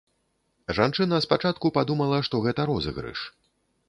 Жанчына спачатку падумала, што гэта розыгрыш.